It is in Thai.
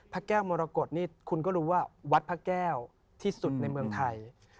พระแก้วมรกฏนี่คุณก็รู้ว่าวัดพระแก้วที่สุดในเมืองไทย